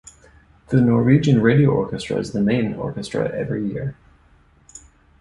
The Norwegian Radio Orchestra is the main orchestra every year.